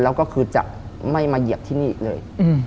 แล้วก็คือจะไม่มาเหยียบที่นี่อีกเลย